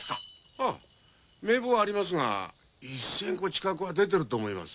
ああ名簿はありますが１，０００個近くは出てると思います。